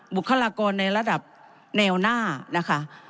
บุคลากรในระดับแนวหน้านะคะ